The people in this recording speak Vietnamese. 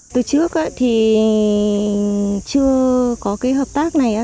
từ trước thì chưa có cái hợp tác này